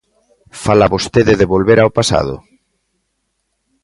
Fala vostede de volver ao pasado?